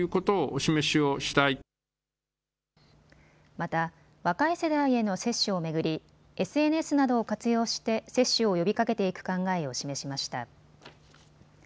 また若い世代への接種を巡りＳＮＳなどを活用して接種を呼びかけていく考えを示しました。